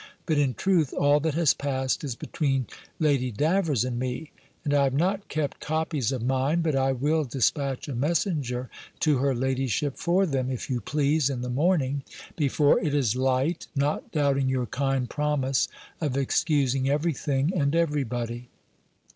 But, in truth, all that has passed, is between Lady Davers and me, and I have not kept copies of mine; but I will dispatch a messenger to her ladyship for them, if you please, in the morning, before it is light, not doubting your kind promise of excusing everything and everybody.